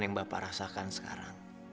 yang bapak rasakan sendiri